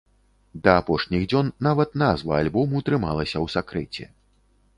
Да апошніх дзён нават назва альбому трымалася ў сакрэце.